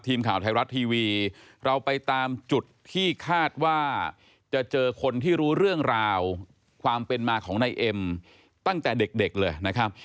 ทีมข่าวไทยรัฐทีวีเราไปตามจุดที่คาดว่าจะเจอคนที่รู้เรื่องราวความเป็นมาของนายเอ็มตั้งแต่เด็กเลยนะครับ